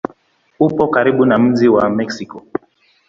Upo karibu na mji wa Meksiko.